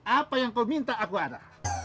apa yang kau minta aku ada